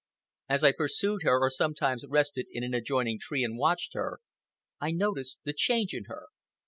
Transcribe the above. As I pursued her, or sometimes rested in an adjoining tree and watched her, I noticed the change in her.